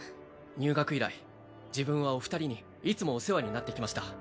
入学以来自分はお二人にいつもお世話になってきました